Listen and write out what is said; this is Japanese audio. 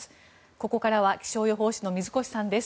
ここからは気象予報士の水越さんです。